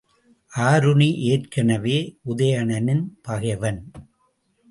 ஆருணி ஏற்கனவே உதயணனின் பகைவன்.